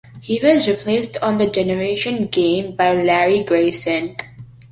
He was replaced on "The Generation Game" by Larry Grayson.